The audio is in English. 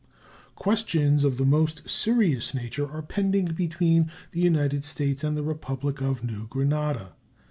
Questions of the most serious nature are pending between the United States and the Republic of New Granada.